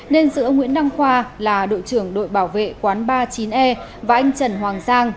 nên giữa nguyễn đăng khoa là đội trưởng đội bảo vệ quán ba mươi chín e và anh trần hoàng giang